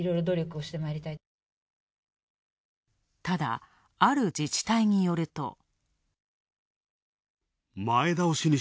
ただ、ある自治体によると。